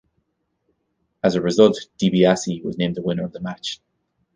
As a result, DiBiase was named the winner of the match.